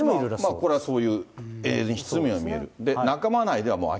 これはそういう演出にも見える。